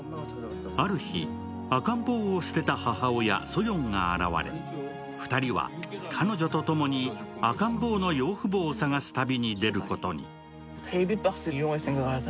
ある日、赤ん坊を捨てた母親ソヨンが現れ、２人は彼女と共に赤ん坊の養父母を探す旅に出ることに。